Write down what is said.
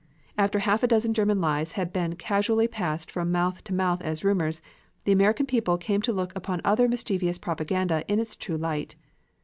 After half a dozen German lies had been casually passed from mouth to mouth as rumors; the American people came to look upon other mischievous propaganda in its true light.